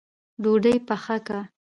ډوډۍ پخه که